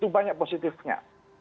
itu banyak positifnya